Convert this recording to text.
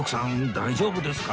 大丈夫ですか？